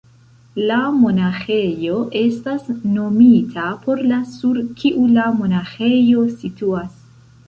La monaĥejo estas nomita por la sur kiu la monaĥejo situas.